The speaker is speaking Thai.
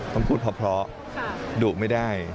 ต้องพูดเพราะดุไม่ได้